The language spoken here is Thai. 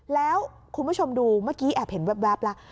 แล้วคุณผู้ชมดูเมื่อกี้แอบเห็นแว๊บแล้ว